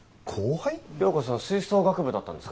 涼子さん吹奏楽部だったんですか？